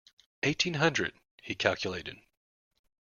Eighteen hundred, he calculated.